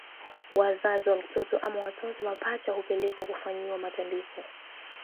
Wazazi wa mtoto ama watoto mapacha hupelekwa kufanyiwa matambiko